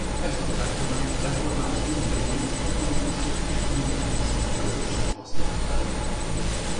Ezt a kápolnát a reformáció idején a katolikusok és unitáriusok közösen használták.